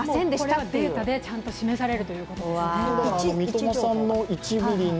これはデータでちゃんと示されるということなんですね。